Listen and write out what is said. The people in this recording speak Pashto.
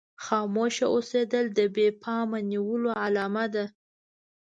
خاموشه اوسېدل د بې پامه نيولو علامه ده.